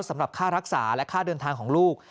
สำหรับค่ารักษาและค่าเดินทางของลูก